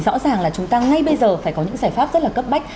rõ ràng là chúng ta ngay bây giờ phải có những giải pháp rất là cấp bách